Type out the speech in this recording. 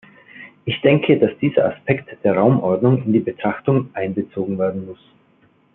Ich denke, dass dieser Aspekt der Raumordnung in die Betrachtungen einbezogen werden muss.